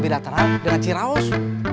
bidak terang dengan ciraos